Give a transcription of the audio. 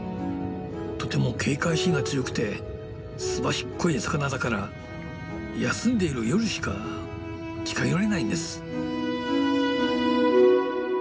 とても警戒心が強くてすばしっこい魚だから休んでいる夜しか近寄れないんです。